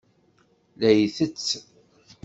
La itett.